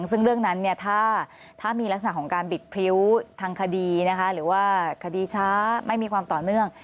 ซึ่งเรื่องนั้นถ้ามีลักษณะของการบิดพริ้วทางคดีนะคะหรือว่าคดีช้าไม่มีความต่อเนื่อง